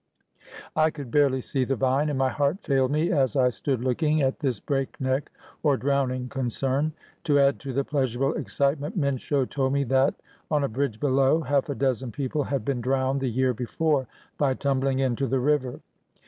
I could barely see the vine, and my heart failed me as I stood looking at this breakneck or drowning concern. To add to the pleasurable excitement, Minsho told me that, on a bridge below, half a dozen people had been drowned the year before by tumbling into the river.